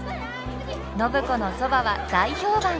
暢子のそばは大評判！